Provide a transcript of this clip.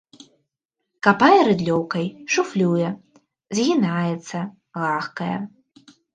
Капае рыдлёўкай, шуфлюе, згінаецца, гахкае.